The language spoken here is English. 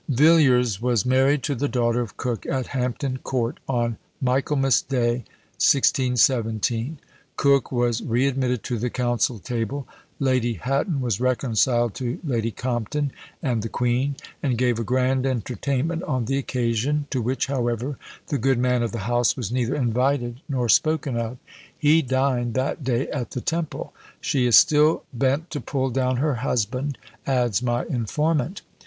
Villiers was married to the daughter of Coke at Hampton Court, on Michaelmas Day, 1617 Coke was re admitted to the council table Lady Hatton was reconciled to Lady Compton and the queen, and gave a grand entertainment on the occasion, to which, however, "the good man of the house was neither invited nor spoken of: he dined that day at the Temple; she is still bent to pull down her husband," adds my informant.